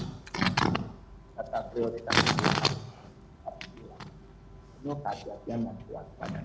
penuh kehatian dan kekuatannya